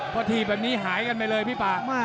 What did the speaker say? พอถีบแบบนี้หายกันไปเลยพี่ป่า